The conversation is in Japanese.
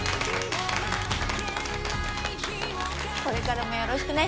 これからもよろしくね。